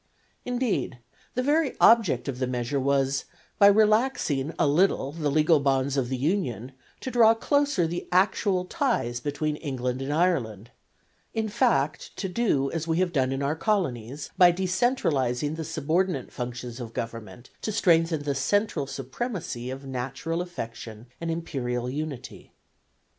Indeed, the very object of the measure was, by relaxing a little the legal bonds of union, to draw closer the actual ties between England and Ireland, in fact, to do as we have done in our Colonies, by decentralizing the subordinate functions of government to strengthen the central supremacy of natural affection and Imperial unity.